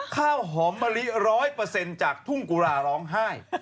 ข้าวหอมมะลิ๑๐๐จากทุ่งกุราร้องไห้